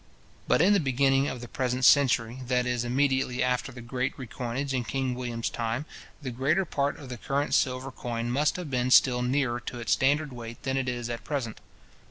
But in the beginning of the present century, that is, immediately after the great recoinage in King William's time, the greater part of the current silver coin must have been still nearer to its standard weight than it is at present.